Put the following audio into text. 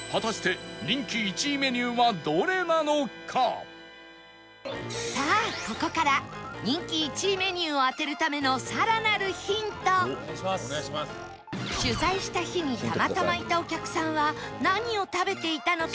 果たしてさあここから人気１位メニューを当てるための取材した日にたまたまいたお客さんは何を食べていたのか？